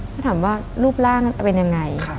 ก็ถามว่ารูปร่างเป็นยังไง